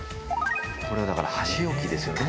これはだから箸置きですよね。